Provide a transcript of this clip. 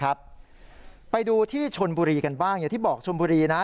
ไปดูที่ชนบุรีกันบ้างอย่างที่บอกชมบุรีนะ